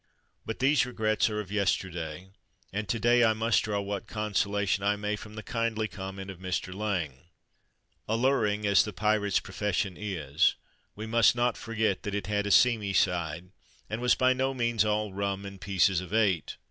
But these regrets are of yesterday, and to day I must draw what consolation I may from the kindly comment of Mr. Lang :" Alluring as the pirate's profession is, we must not forget that it had a seamy side, and was by no means all rum and pieces of 188 THE DAY BEFORE YESTERDAY eight.